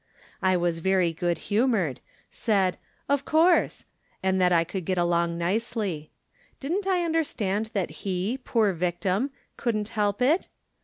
I was very good humored ; said, " Of course," and that I could get along nicely. Didn't I understand that he, poor victim, couldn't help it